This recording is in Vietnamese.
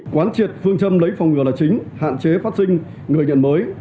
quán triệt phương châm lấy phòng ngừa là chính hạn chế phát sinh người nhận mới